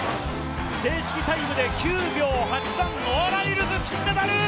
正式タイムで９秒８３、ノア・ライルズ金メダル！